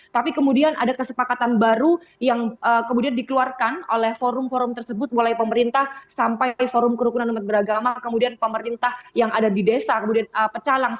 tapi kemudian ada kesepakatan baru yang kemudian dikeluarkan oleh forum forum tersebut mulai pemerintah sampai forum kerukunan umat beragama kemudian pemerintah yang ada di desa kemudian pecalang